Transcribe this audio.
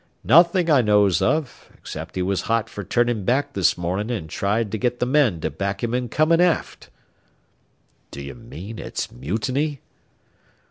"Nothin' I knows of, 'cept he was hot fer turnin' back this mornin' an' tried to get th' men to back him in comin' aft." "Do you mean it's mutiny?"